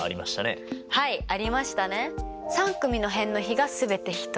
はいありましたね。